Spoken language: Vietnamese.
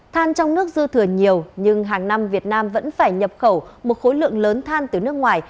than trong nước dư thừa nhiều nhưng hàng năm việt nam vẫn phải nhập khẩu một khối lượng lớn than từ nước ngoài